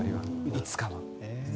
いつかは。